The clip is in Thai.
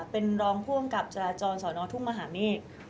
เป็นร้องพ่วงกับจราจรสะนอธุ่งมหาเมฆ